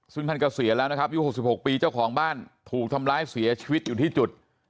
ซึ่งท่านเกษียณแล้วนะครับอายุ๖๖ปีเจ้าของบ้านถูกทำร้ายเสียชีวิตอยู่ที่จุด